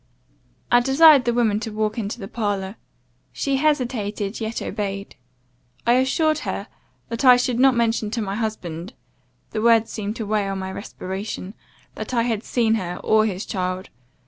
I desired the woman to walk into the parlour. She hesitated, yet obeyed. I assured her that I should not mention to my husband (the word seemed to weigh on my respiration), that I had seen her, or his child.